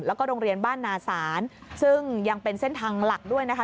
แล้วก็โรงเรียนบ้านนาศาลซึ่งยังเป็นเส้นทางหลักด้วยนะคะ